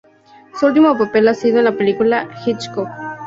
Su último papel ha sido en la película "Hitchcock".